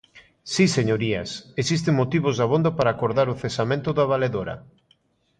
Si, señorías, existen motivos dabondo para acordar o cesamento da valedora.